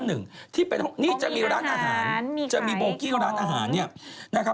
นี่จะมีร้านอาหารจะมีโบสถ์กี้ร้านอาหาร